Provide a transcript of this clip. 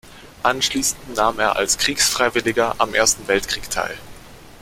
Anschließend nahm er als Kriegsfreiwilliger am Ersten Weltkrieg teil.